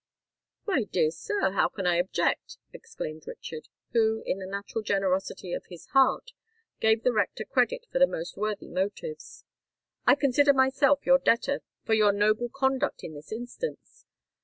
"My dear sir, how can I object?" exclaimed Richard, who, in the natural generosity of his heart, gave the rector credit for the most worthy motives. "I consider myself your debtor for your noble conduct in this instance.